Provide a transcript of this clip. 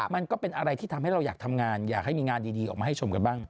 มันก็เป็นอะไรที่ทำให้เราอยากทำงานอยากให้มีงานดีออกมาให้ชมกันบ้าง